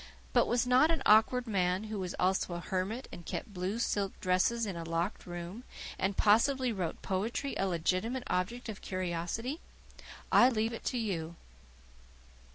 But was not an Awkward Man, who was also a hermit and kept blue silk dresses in a locked room, and possibly wrote poetry, a legitimate object of curiosity? I leave it to you.